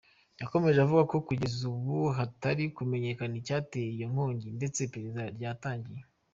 Yakomeje avuga ko kugeza ubu hatari hamenyekana icyateye iyo nkongi ndetse iperereza ryatangiye.